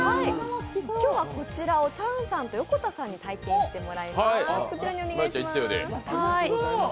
今日はこちらをチャンさんと横田さんに体験してもらいます。